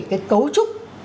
cái cấu trúc